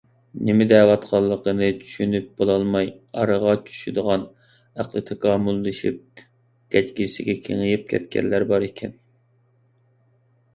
نېمە دەۋاتقانلىقىنى چۈشىنىپ بولالماي ئارىغا چۈشىدىغان ئەقلى تاكامۇللىشىپ گەجگىسىگە كېڭىيىپ كەتكەنلەر باركەن.